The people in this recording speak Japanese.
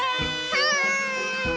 はい！